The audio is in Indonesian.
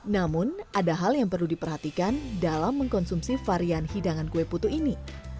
namun ada hal yang perlu diperhatikan dalam mengkonsumsi varian hidangan kue putu ini